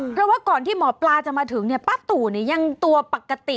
เพราะว่าก่อนที่หมอปลาจะมาถึงเนี่ยป้าตู่ยังตัวปกติ